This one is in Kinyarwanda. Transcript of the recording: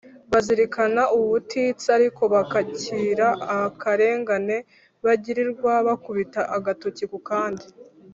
bazirikana ubutitsa ariko bakakira akarengane bagirirwa bakubita agatoki ku kandi.